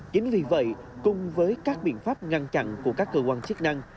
chính vì vậy cùng với các biện pháp ngăn chặn của các cơ quan chức năng